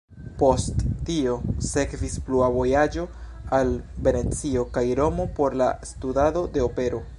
Post tio sekvis plua vojaĝo al Venecio kaj Romo por la studado de opero.